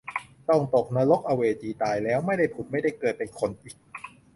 ต้องตกนรกอเวจีตายแล้วไม่ได้ผุดไม่ได้เกิดเป็นคนอีก